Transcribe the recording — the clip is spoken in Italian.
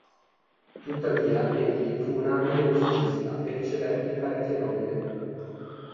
Tuttavia egli fu un abile musicista e ricevette parecchie nomine.